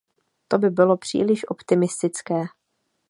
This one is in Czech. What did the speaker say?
To by bylo příliš optimistické.